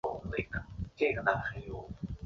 李添保人。